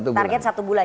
target satu bulan